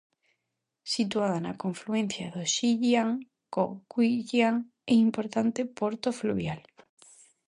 Situada na confluencia do Xi Jiang co Gui Jiang, é un importante porto fluvial.